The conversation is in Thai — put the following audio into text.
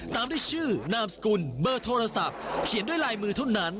ตามด้วยชื่อนามสกุลเบอร์โทรศัพท์เขียนด้วยลายมือเท่านั้น